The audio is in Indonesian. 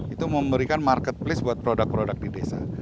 itu memberikan market place buat produk produk di desa